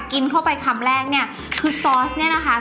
กินเข้าไปคำแรกเนี่ยคือซอสเนี่ยนะคะ